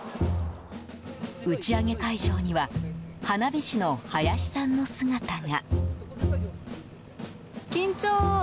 打ち上げ会場には花火師の林さんの姿が。